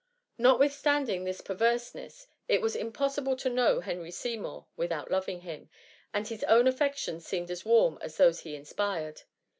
Notwithstanding this perverseness, it was impossible to know Henry Seymour without loving him, and his own affections seemed as warm as those he inspired.